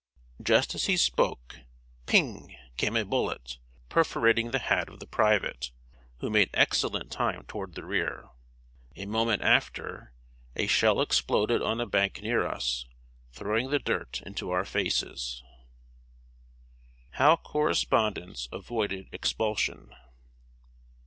Just as he spoke, ping! came a bullet, perforating the hat of the private, who made excellent time toward the rear. A moment after, a shell exploded on a bank near us, throwing the dirt into our faces. [Sidenote: HOW CORRESPONDENTS AVOIDED EXPULSION.